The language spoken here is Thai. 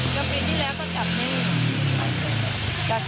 ก็ปีที่แล้วก็จับได้อยู่